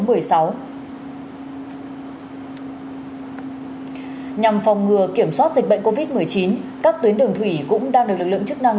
nhằm phòng ngừa kiểm soát dịch bệnh covid một mươi chín các tuyến đường thủy cũng đang được lực lượng chức năng